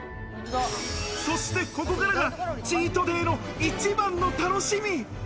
そしてここからがチートデイの一番の楽しみ！